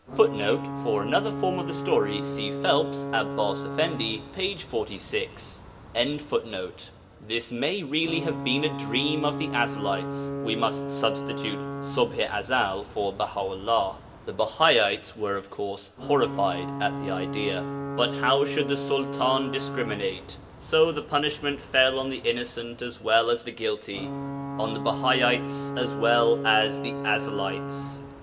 [Footnote: For another form of the story, see Phelps, Abbas Effendi, p. 46.] This may really have been a dream of the Ezelites (we must substitute Ṣubḥ i Ezel for Baha 'ullah); the Bahaites were of course horrified at the idea. But how should the Sultan discriminate? So the punishment fell on the innocent as well as the guilty, on the Bahaites as well as the Ezelites.